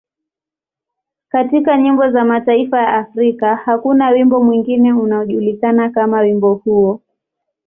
Katika nyimbo za mataifa ya Afrika, hakuna wimbo mwingine unaojulikana kama wimbo huo.